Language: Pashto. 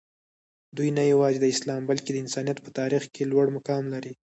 دوي نه یوازې د اسلام بلکې د انسانیت په تاریخ کې لوړ مقام لري.